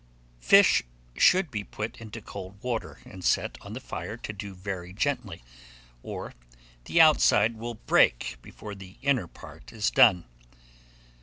FISH SHOULD BE PUT INTO COLD WATER, and set on the fire to do very gently, or the outside will break before the inner part is done.